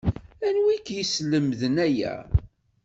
Anwi i k-yeslemden aya?